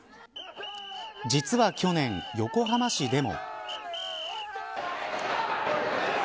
実は去年、横浜市でも。